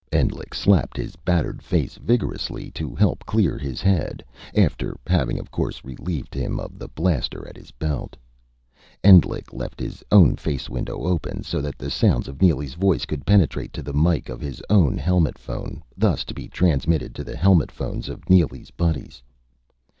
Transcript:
Endlich slapped his battered face vigorously, to help clear his head after having, of course, relieved him of the blaster at his belt. Endlich left his own face window open, so that the sounds of Neely's voice could penetrate to the mike of his own helmet phone, thus to be transmitted to the helmet phones of Neely's buddies.